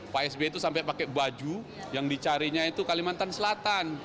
pak sby itu sampai pakai baju yang dicarinya itu kalimantan selatan